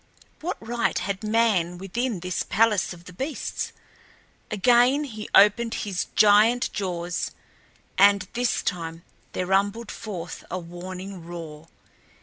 What right had man within this palace of the beasts? Again he opened his giant jaws, and this time there rumbled forth a warning roar.